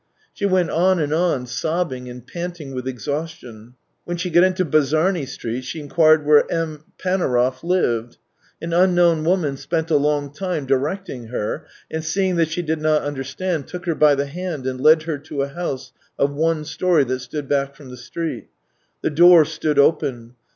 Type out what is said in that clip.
She went on and on, sobbing and panting with exhaustion. When she got into Bazarny Street, she inquired where M. Panaurov Uved. An unknown woman spent a long time directing her, and seeing that she did not understand, took her by the hand and led her to a house of one storey that stood back from the street. The door stood open.